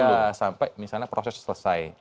ya sampai misalnya proses selesai